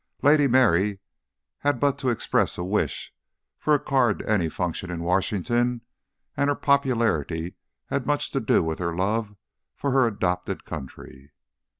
Lady Mary had but to express a wish for a card to any function in Washington; and her popularity had much to do with her love for her adopted country.